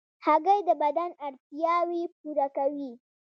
هګۍ د بدن اړتیاوې پوره کوي.